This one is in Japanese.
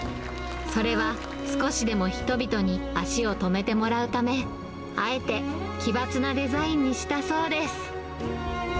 それは少しでも人々に足を止めてもらうため、あえて奇抜なデザインにしたそうです。